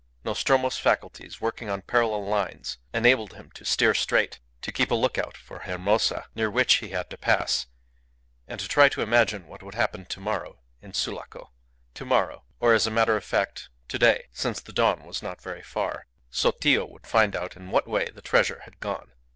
Nostromo's faculties, working on parallel lines, enabled him to steer straight, to keep a look out for Hermosa, near which he had to pass, and to try to imagine what would happen tomorrow in Sulaco. To morrow, or, as a matter of fact, to day, since the dawn was not very far, Sotillo would find out in what way the treasure had gone.